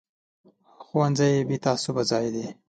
ښوونځی بې تعصبه ځای دی